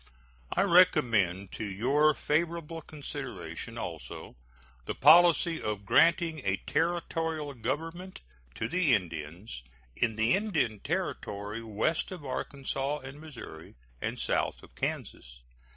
I recommend to your favorable consideration also the policy of granting a Territorial government to the Indians in the Indian Territory west of Arkansas and Missouri and south of Kansas.